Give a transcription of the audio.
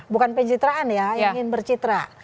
bukan pencitraan ya ingin bercitra